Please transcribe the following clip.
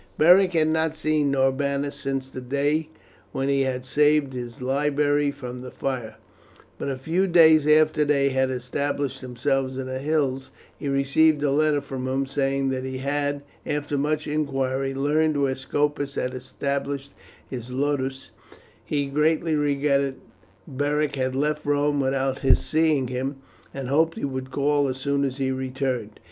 Beric had not seen Norbanus since the day when he had saved his library from the fire; but a few days after they had established themselves in the hills he received a letter from him saying that he had, after much inquiry, learned where Scopus had established his ludus; he greatly regretted Beric had left Rome without his seeing him, and hoped he would call as soon as he returned.